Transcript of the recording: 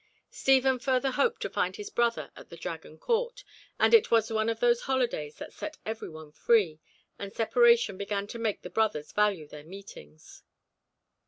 Stephen further hoped to find his brother at the Dragon court, as it was one of those holidays that set every one free, and separation began to make the brothers value their meetings.